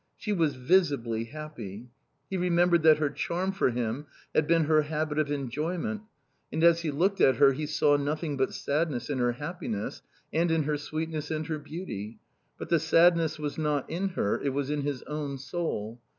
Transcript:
She was visibly happy. He remembered that her charm for him had been her habit of enjoyment. And as he looked at her he saw nothing but sadness in her happiness and in her sweetness and her beauty. But the sadness was not in her, it was in his own soul.